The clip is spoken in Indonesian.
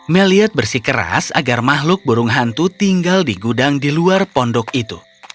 meliad bersikeras agar makhluk burung hantu tinggal di gudang di luar pondok itu